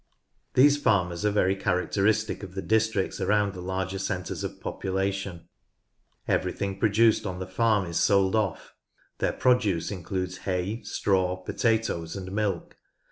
These farmers are very characteristic of the districts around the larger centres of population. Everything produced on the farm is sold off; their produce includes hay, straw, potatoes, and milk.